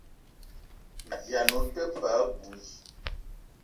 Vian ou te paa abui.